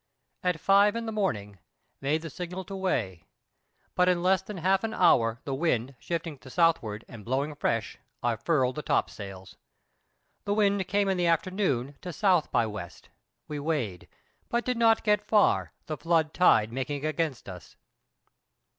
At five in the morning made the signal to weigh: but in less than half an hour the wind shifting to the southward and blowing fresh, I furled the topsails. The wind came in the afternoon to S. by W.; we weighed, but did not get far, the flood tide making against us.